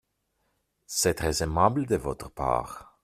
C'est très aimable de votre part.